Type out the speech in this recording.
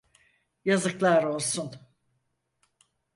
Yazıklar olsun!